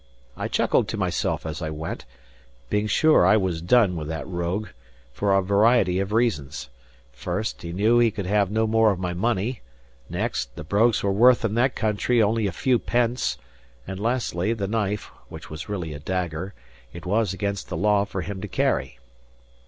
I chuckled to myself as I went, being sure I was done with that rogue, for a variety of reasons. First, he knew he could have no more of my money; next, the brogues were worth in that country only a few pence; and, lastly, the knife, which was really a dagger, it was against the law for him to carry.